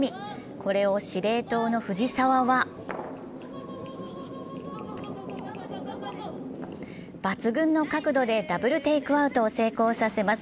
これを司令塔の藤澤は抜群の角度でダブルテイクアウトを成功させます。